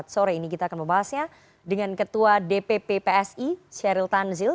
sore ini kita akan membahasnya dengan ketua dpp psi sheryl tanzil